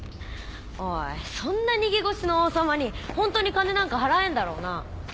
おいそんな逃げ腰の王様にホントに金なんか払えんだろうな？